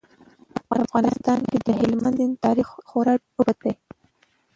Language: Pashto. په افغانستان کې د هلمند سیند تاریخ خورا اوږد دی.